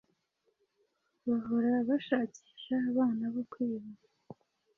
bahora bashakisha abana bo kwiba